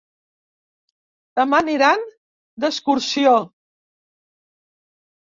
Demà aniran d'excursió.